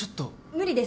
無理です。